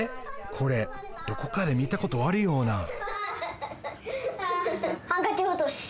これどこかで見たことあるようなハンカチおとし。